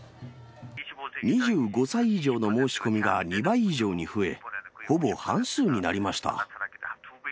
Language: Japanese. ２５歳以上の申し込みが２倍以上に増え、ほぼ半数になりました。